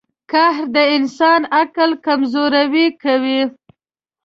• قهر د انسان عقل کمزوری کوي.